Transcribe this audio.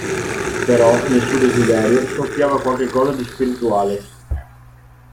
Però nel suo desiderio soffiava qualche cosa di spirituale.